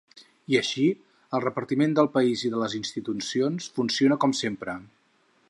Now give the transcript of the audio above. I així, el repartiment del país i de les institucions funciona com sempre.